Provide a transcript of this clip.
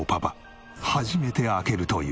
初めて開けるという。